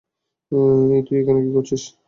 এই, তুই এখানে কী করছিস?